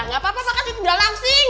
nggak apa apa makan gitu udah langsing